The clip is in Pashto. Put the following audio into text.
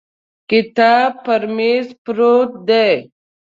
کتاب پر مېز پروت دی.